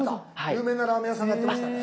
有名なラーメン屋さんがやってましたね。